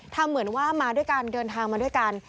เหมือนว่ามาด้วยกันเดินทางมาด้วยกัน